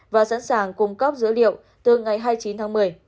và sẵn sàng cung cấp dữ liệu từ ngày hai mươi chín tháng một mươi